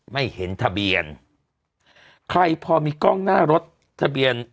ไม่เห็นทะเบียนใครพอมีกล้องหน้ารถทะเบียน